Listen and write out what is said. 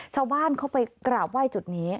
ชาวบ้านเขาไปกราบไหว้จุดนี้